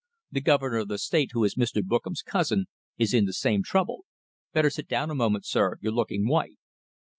"The Governor of the State, who is Mr. Bookam's cousin, is in the same trouble.... Better sit down a moment, sir. You're looking white."